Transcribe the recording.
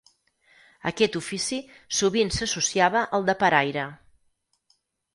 Aquest ofici sovint s'associava al de paraire.